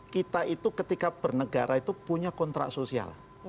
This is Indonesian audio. kita itu ketika bernegara itu punya kontrak sosial